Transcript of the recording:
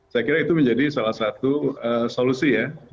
saya kira itu menjadi salah satu solusi ya